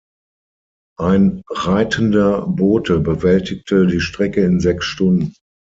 Ein reitender Bote bewältigte die Strecke in sechs Stunden.